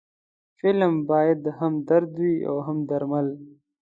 فلم باید هم درد وي، هم درمل